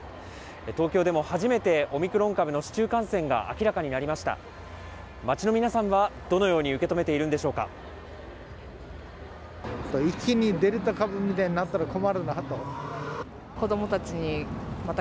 東京でも初めて、オミクロン株の市中感染が明らかになりました。